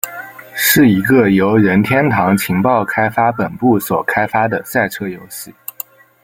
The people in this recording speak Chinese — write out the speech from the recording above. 是一个由任天堂情报开发本部所开发的赛车游戏。